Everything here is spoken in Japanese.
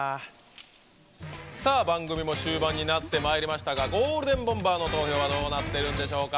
番組も終盤になってまいりましたがゴールデンボンバーの投票はどうなっているんでしょうか。